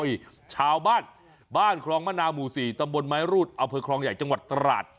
โอ้ยชาวบ้านบ้านคลองมะนาหมู่สี่ตำบลไม้รูดเอาไปคลองใหญ่จังหวัดตระหลาด